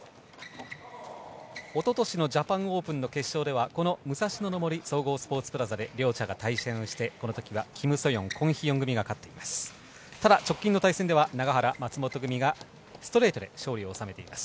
一昨年のジャパンオープンの決勝では、この武蔵野の森総合スポーツプラザで両者が対戦してこの時はキム・ソヨンコン・ヒヨンが勝っています。